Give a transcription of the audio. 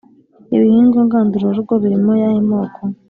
ibihingwa ngandurarugo birimo ayahe moko?